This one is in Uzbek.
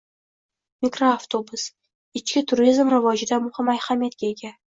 Mikroavtobus – ichki turizm rivojida muhim ahamiyatga ega